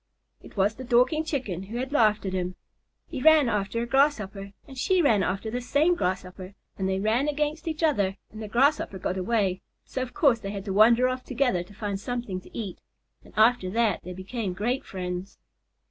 It was the Dorking Chicken who had laughed at him. He ran after a Grasshopper, and she ran after the same Grasshopper, and they ran against each other and the Grasshopper got away, so of course they had to wander off together to find something to eat, and after that they became great friends.